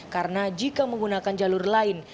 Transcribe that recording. karena jika menggunakan jalur lain